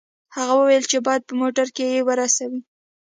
هغه وویل چې باید په موټر کې یې ورسوي